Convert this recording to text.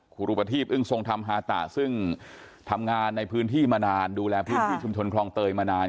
รูปทีพอึ้งทรงธรรมฮาตะซึ่งทำงานในพื้นที่มานานดูแลพื้นที่ชุมชนคลองเตยมานาน